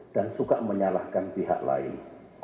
dan suka menyalahkan pihak lain